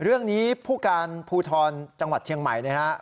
เรื่องนี้ผู้การภูทรจังหวัดเชียงใหม่นะครับ